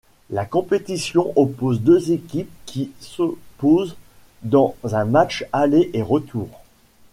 La compétition oppose deux équipes qui s'opposent dans un match aller et retour.